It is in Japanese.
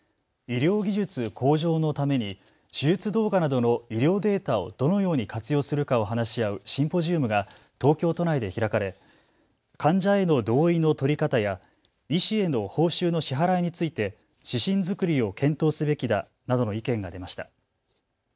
医療技術向上のために手術動画などの医療データをどのように活用するかを話し合うシンポジウムが東京都内で開かれ患者への同意の取り方や医師への報酬の支払いについて指針作りを検討すべきだなどの意見が出ました。